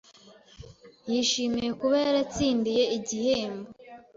Yishimiye kuba yaratsindiye igihembo.